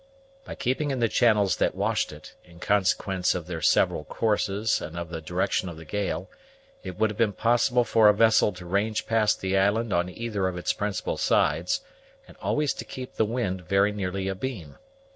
By keeping in the channels that washed it, in consequence of their several courses and of the direction of the gale, it would have been possible for a vessel to range past the island on either of its principal sides, and always to keep the wind very nearly abeam.